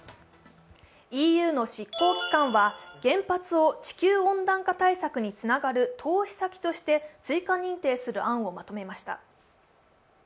ＥＵの執行機関は原発を地球温暖化対策につながる投資先として追加認定する案をまとめました。